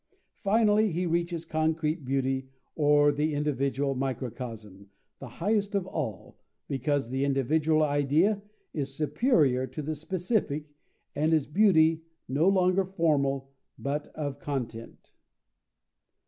Finally he reaches concrete beauty, or the individual microcosm, the highest of all, because the individual idea is superior to the specific, and is beauty, no longer formal, but of content.